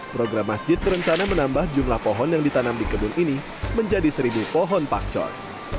program masjid berencana menambah jumlah pohon yang ditanam di kebun ini menjadi seribu pohon pakcon